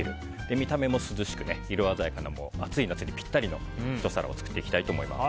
見た目も涼しく色鮮やかな暑い夏にぴったりのひと皿を作っていきます。